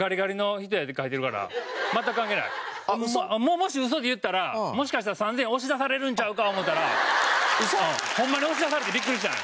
もし嘘で言ったらもしかしたら３０００円押し出されるんちゃうか思うたらホンマに押し出されてビックリしたんや。